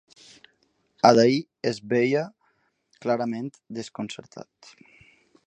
Adair es veia clarament desconcertat.